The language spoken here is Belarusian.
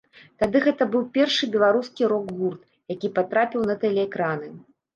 Тады гэта быў першы беларускі рок-гурт, які патрапіў на тэлеэкраны.